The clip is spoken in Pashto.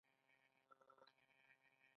هر قوم پکې حق لري